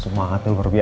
semangatnya luar biasa